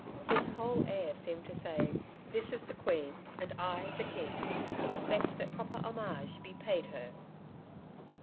His whole air seemed to say: 'This is the Queen, and I, the King, expect that proper homage be paid her.'